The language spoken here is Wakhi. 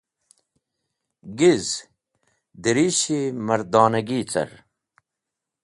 Giz dirishi-e mardonagi car.